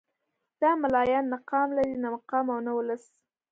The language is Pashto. دا ملايان نه قام لري نه مقام او نه ولس.